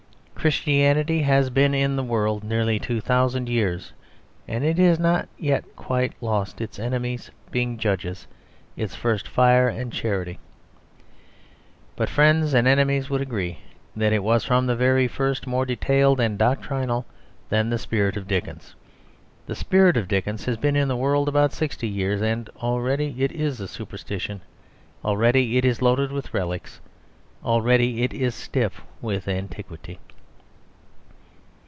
Christianity has been in the world nearly two thousand years, and it has not yet quite lost, its enemies being judges, its first fire and charity; but friends and enemies would agree that it was from the very first more detailed and doctrinal than the spirit of Dickens. The spirit of Dickens has been in the world about sixty years; and already it is a superstition. Already it is loaded with relics. Already it is stiff with antiquity.